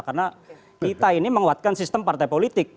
karena kita ini menguatkan sistem partai politik